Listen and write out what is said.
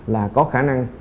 là có khả năng